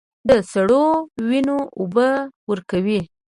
د سرو، وینو اوبه ورکوي